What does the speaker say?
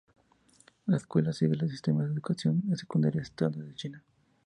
La escuela sigue el sistema de educación secundaria estándar de China.